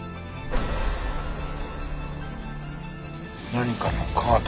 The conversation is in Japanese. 何かのカード？